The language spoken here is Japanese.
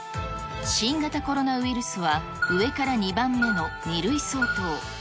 新型コロナウイルスは上から２番目の２類相当。